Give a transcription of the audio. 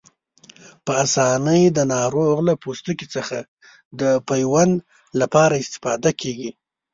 په آسانۍ د ناروغ له پوستکي څخه د پیوند لپاره استفاده کېږي.